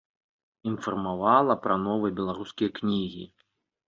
Інфармавала пра новыя беларускія кнігі.